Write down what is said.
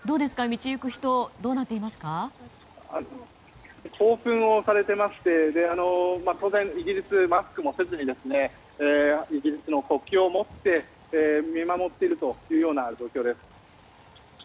道行く人は興奮をされていまして当然、イギリスマスクもせずにイギリスの国旗を持って見守っているという状況です。